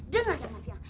dengarkan mas ya